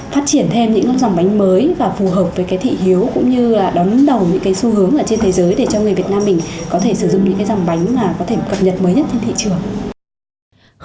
phát triển thêm những dòng bánh mới và phù hợp với cái thị hiếu cũng như là đón đầu những cái xu hướng là trên thế giới để cho người việt nam mình có thể sử dụng những cái dòng bánh mà có thể cập nhật mới nhất trên thị trường